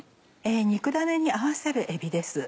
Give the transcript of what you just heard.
肉だねに合わせるえびです